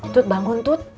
tut bangun tut